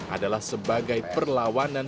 adalah sebagai perlawanan